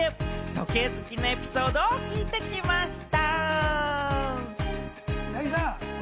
時計好きのエピソードを聞いてきました。